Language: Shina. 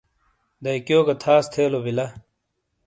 دیکیو گہ تھاس تھے لو بیلا ۔